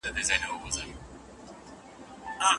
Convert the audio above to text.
ځینې فقهاء د ميرمنې د درملو په اړه څه نظر لري؟